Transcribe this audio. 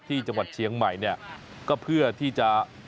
ที่จังหวัดเชียงใหม่เนี่ยก็เพื่อที่จะ